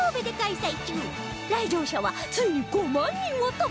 来場者はついに５万人を突破！